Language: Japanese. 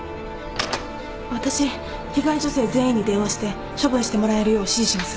私被害女性全員に電話して処分してもらえるよう指示します。